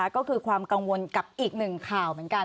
ก็คือความกังวลกับอีกหนึ่งข่าวเหมือนกัน